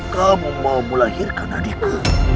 kamu mau melahirkan adikku